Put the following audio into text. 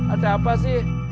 ada apa sih